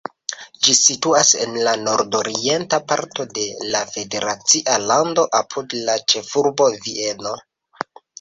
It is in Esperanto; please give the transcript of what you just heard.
Ĝi situas en la nordorienta parto de la federacia lando, apud la ĉefurbo Vieno.